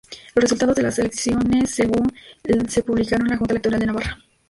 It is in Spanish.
Los resultados de las elecciones según se publicaron la Junta Electoral de Navarra.